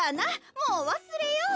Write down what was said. もうわすれよう。